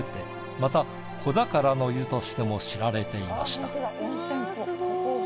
また子宝の湯としても知られていました。